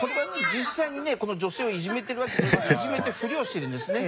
実際にねこの女性をいじめてるわけじゃないんですけどいじめてるふりをしてるんですね。